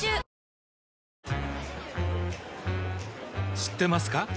知ってますか？